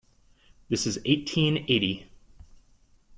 This is eighteen eighty.